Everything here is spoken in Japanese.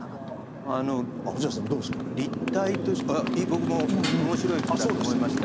僕も面白い句だと思いました。